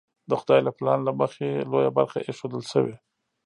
د خدای له پلان له مخې لویه برخه ایښودل شوې.